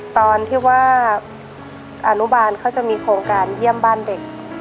ตอนที่ว่าอนุบาลเขาจะมีโครงการเยี่ยมบ้านเด็ก